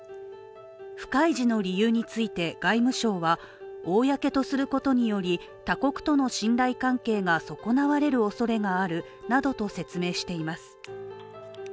非開示の理由について外務省は公とすることについて他国との信頼関係が損なわれるおそれがあるなどと説明しています。